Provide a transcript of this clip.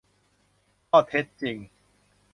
ข้อเท็จจริง